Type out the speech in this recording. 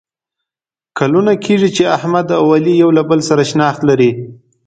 کلونه کېږي چې احمد او علي یو له بل سره شناخت لري.